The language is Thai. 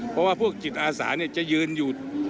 เพราะว่าพวกจิตอาสาจะยืนอยู่